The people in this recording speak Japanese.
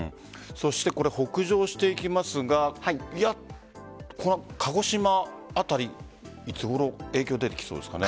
これ北上していきますが鹿児島辺りいつごろ影響出てきそうですかね。